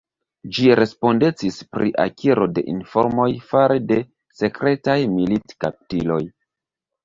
Ĝi respondecis pri akiro de informoj fare de sekretaj militkaptitoj.